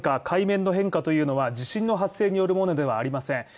海面の変化というのは地震の発生によるものではありません。